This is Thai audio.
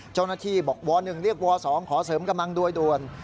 เจ้าหน้าที่บอกวอล์หนึ่งเรียกวอล์สองขอเสริมกำลังโดยด่วน